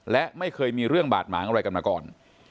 และไม่เคยมีเรื่องบาดหมางอะไรกันมาก่อน